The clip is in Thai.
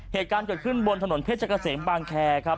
เหตุการณ์เกิดขึ้นบนถนนเพชรเกษมบางแคร์ครับ